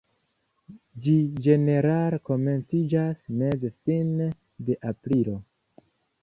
Ĝi ĝenerale komenciĝas meze-fine de aprilo.